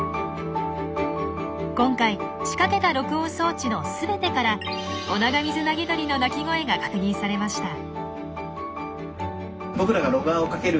今回仕掛けた録音装置の全てからオナガミズナギドリの鳴き声が確認されました。